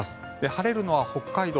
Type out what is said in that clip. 晴れるのは北海道